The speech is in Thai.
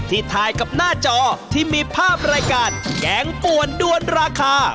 ถ่ายกับหน้าจอที่มีภาพรายการแกงป่วนด้วนราคา